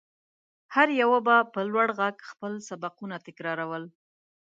هر يوه به په لوړ غږ خپل سبقونه تکرارول.